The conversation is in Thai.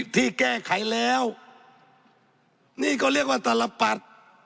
ที่แก้ไขแล้วนี่ก็เรียกว่าแต่ละปัด